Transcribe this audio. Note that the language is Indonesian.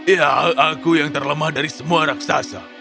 ya aku yang terlemah dari semua raksasa